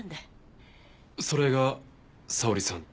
それが沙織さん。